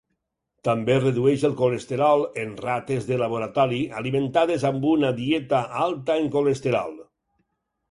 També redueix el colesterol en rates de laboratori alimentades amb una dieta alta en colesterol.